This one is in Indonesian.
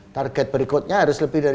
target berikutnya harus lebih dari tiga puluh